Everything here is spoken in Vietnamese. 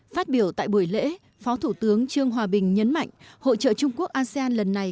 phát biểu tại buổi lễ phó thủ tướng trương hòa bình nhấn mạnh hội trợ trung quốc asean lần này